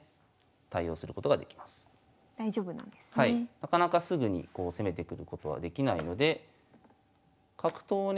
なかなかすぐに攻めてくることはできないので角頭をね